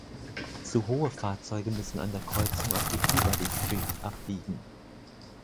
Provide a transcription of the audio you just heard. Zu hohe Fahrzeuge müssen an der Kreuzung auf die "Peabody Street" abbiegen.